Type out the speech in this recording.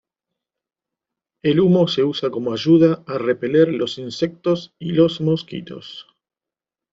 El humo se usa como ayuda a repeler los insectos y los mosquitos.